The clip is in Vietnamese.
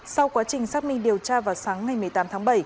sau quá trình xác minh điều tra vào sáng ngày một mươi tám tháng bảy